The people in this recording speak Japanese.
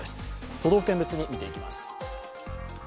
都道府県別に見ていきます。